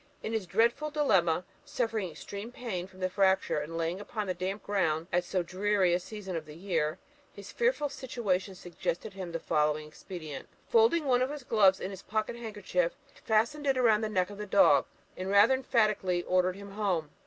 In this dreadful dilemma, suffering extreme pain from the fracture, and laying upon the damp ground at so dreary a season of the year, his fearful situation suggested to him the following expedient. Folding one of his gloves in his pocket handkerchief, he fastened it round the neck of the dog, and rather emphatically ordered him 'home.'